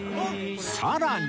さらに